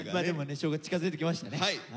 でもね正月近づいてきましたね。